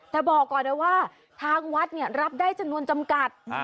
แต่บอกก่อนเลยว่าทางวัดเนี่ยรับได้จำนวนจำกัด